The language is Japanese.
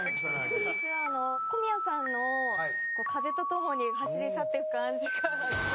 私は小宮さんの風と共に走り去っていく感じが。